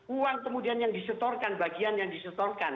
uang kemudian yang disetorkan bagian yang disetorkan